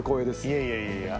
いやいやいやいや。